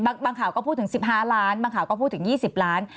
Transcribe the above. บางข่าวก็พูดถึง๑๕ล้านบางข่าวก็พูดถึง๒๐ล้าน